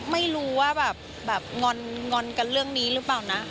ไม่รู้ว่าแบบงอนกันเรื่องนี้หรือเปล่านะ